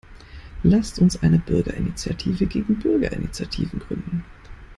Lasst uns eine Bürgerinitiative gegen Bürgerinitiativen gründen!